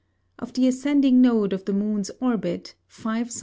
Of the ascending Node of the Moon's Orbit, 5 S.